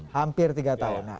hampir tiga tahun